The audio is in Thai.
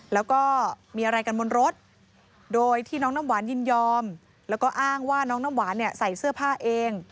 แล้วก็มีอะไรกันบนรถโดยที่น้องน้ำหวานยินยอมแล้วก็อ้างว่าน้องน้ำหวานเนี่ยใส่เสื้อผ้าเอง